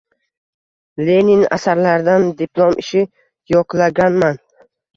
Lenin asarlaridan diplom ishi yoklaganman.